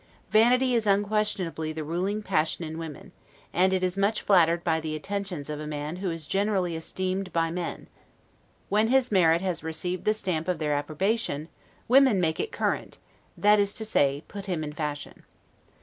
Vanity is unquestionably the ruling passion in women; and it is much flattered by the attentions of a man who is generally esteemed by men; when his merit has received the stamp of their approbation, women make it current, that is to say, put him in fashion.